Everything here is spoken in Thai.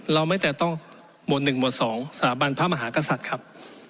เราไม่แต่ต้องหมวด๑หมวด๒สถาบันพระมหากษัตริย์ครับ